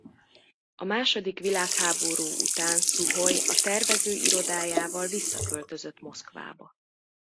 A második világháború után Szuhoj a tervezőirodájával visszaköltözött Moszkvába.